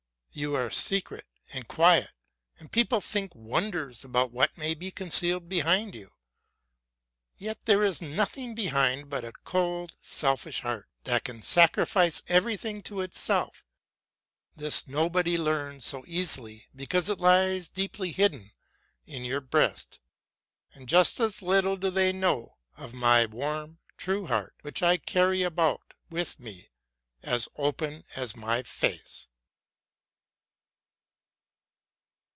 You are secret and quiet, and people think wonders of what may be concealed behind you. Yet there is nothing behind but a cold, selfish heart that can sacrifice every thing to itself ; this nobody learns so easily, because it lies deeply hidden in your breast: and just as little do they know of my warm, true heart, which I carry about with me as open.as my face.